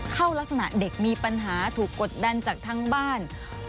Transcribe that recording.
ลักษณะเด็กมีปัญหาถูกกดดันจากทั้งบ้าน